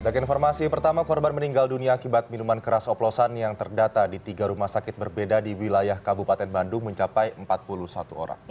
dari informasi pertama korban meninggal dunia akibat minuman keras oplosan yang terdata di tiga rumah sakit berbeda di wilayah kabupaten bandung mencapai empat puluh satu orang